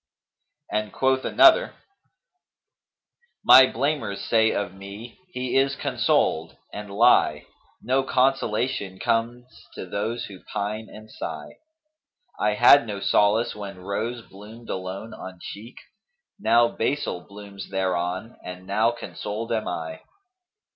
And quoth another, 'My blamers say of me, 'He is consoled,' And lie! * No consolation comes to those who pine and sigh. I had no solace when Rose bloomed alone on cheek, * Now Basil blooms thereon and now consoled am I.'